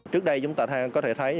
trước đây chúng ta có thể thấy